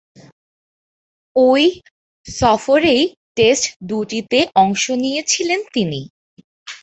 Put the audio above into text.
ঐ সফরেই টেস্ট দুটিতে অংশ নিয়েছিলেন তিনি।